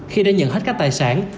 khi đã nhận hết các tài sản